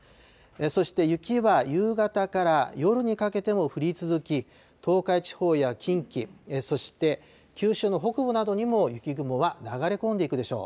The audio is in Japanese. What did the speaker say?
そして、雪は夕方から夜にかけても降り続き、東海地方や近畿、そして九州の北部などにも雪雲が流れ込んでいくでしょう。